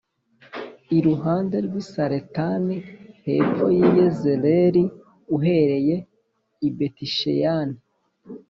iruhande rw’i Saretani hepfo y’i Yezerēli uhereye i Betisheyani